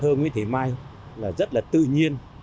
thơ nguyễn thị mai là rất là tự nhiên